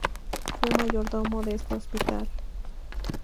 Fue mayordomo de este hospital.